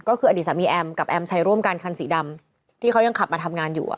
ก็คืออดีตสามีแอมกับแอมใช้ร่วมกันคันสีดำที่เขายังขับมาทำงานอยู่